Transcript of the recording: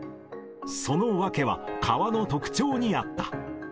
その訳は、川の特徴にあった。